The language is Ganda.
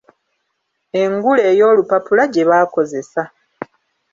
Engule ey'olupapula gye baakozesa.